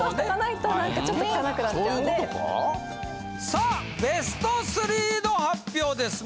さあベスト３の発表です。